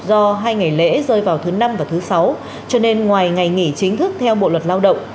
do hai ngày lễ rơi vào thứ năm và thứ sáu cho nên ngoài ngày nghỉ chính thức theo bộ luật lao động